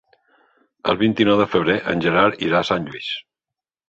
El vint-i-nou de febrer en Gerard irà a Sant Lluís.